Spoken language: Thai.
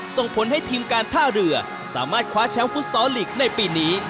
ส่งผลให้ทีมการท่าเรือสามารถคว้าแชมป์ฟุตซอลลีกในปีนี้